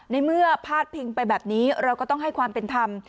ในเมื่อพาดพิงไปแบบนี้เราก็ต้องให้ความเป็นธรรม